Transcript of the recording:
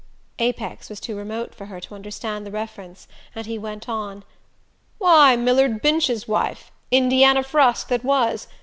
Apex was too remote for her to understand the reference, and he went on: "Why, Millard Binch's wife Indiana Frusk that was.